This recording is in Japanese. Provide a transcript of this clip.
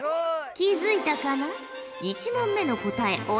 気付いたかな？